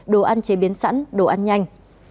đồ ăn chế biến sẵn đồ ăn nhanh